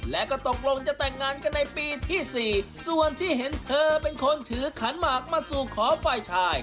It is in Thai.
และก็ตกลงจะแต่งงานกันในปีที่๔ส่วนที่เห็นเธอเป็นคนถือขันหมากมาสู่ขอฝ่ายชาย